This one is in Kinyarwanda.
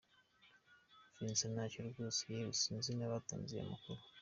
Vincent : Ntacyo rwose, yewe sinzi n’abatanze ayo makuru.